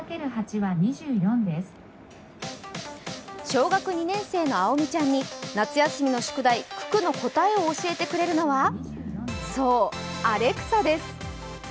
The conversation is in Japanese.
小学２年生のあおみちゃんに夏休みの宿題、九九の答えを教えてくれるのはそう、アレクサです。